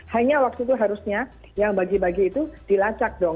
hanya waktu itu harusnya yang bagi bagi itu dilacak dong